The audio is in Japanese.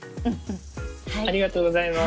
ありがとうございます。